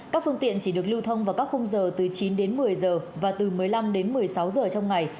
các phương tiện chỉ được lưu thông vào các khung giờ từ chín đến một mươi giờ và từ một mươi năm đến một mươi sáu giờ trong ngày